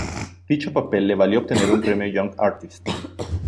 Dicho papel le valió obtener un premio Young Artist.